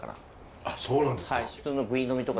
あっそうなんですか。